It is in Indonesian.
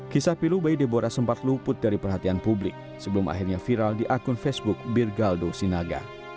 kisah pilu bayi debora sempat luput dari perhatian publik sebelum akhirnya viral di akun facebook birgaldo sinaga